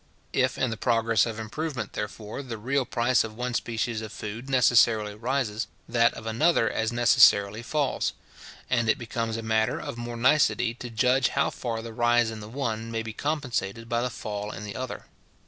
If, in the progress of improvement, therefore, the real price of one species of food necessarily rises, that of another as necessarily falls; and it becomes a matter of more nicety to judge how far the rise in the one may be compensated by the fall in the other.